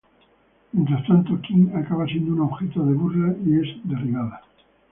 Mientras tanto, Kim acaba siendo un objeto de burla y es derribada.